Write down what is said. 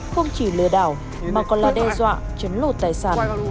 không chỉ lừa đảo mà còn là đe dọa chấn lột tài sản